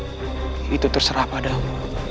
aku sudah menyerahkan hati yang sejujurnya padamu